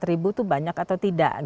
empat ribu itu banyak atau tidak